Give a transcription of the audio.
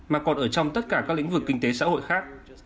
mà còn ở trong tất cả các lĩnh vực kinh tế xã hội khác